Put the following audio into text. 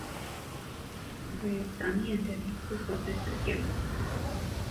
Հայաստանի էնդեմիկ բուսատեսակ է։